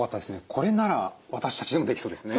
これなら私たちでもできそうですね。